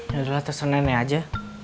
ya udah tersenennya aja